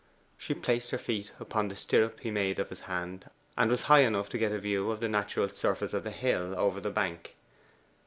She placed her feet upon the stirrup he made of his hand, and was high enough to get a view of the natural surface of the hill over the bank.